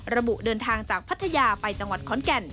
เดินทางจากพัทยาไปจังหวัดขอนแก่น